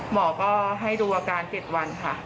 หมอก็ให้ดูอาการ๗วันค่ะ